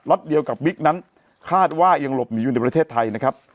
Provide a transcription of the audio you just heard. เดียวกับบิ๊กนั้นคาดว่ายังหลบหนีอยู่ในประเทศไทยนะครับ